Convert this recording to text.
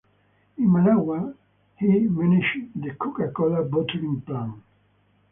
In Managua, he managed the Coca-Cola bottling plant.